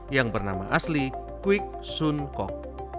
yang bernama asli kwik sun kok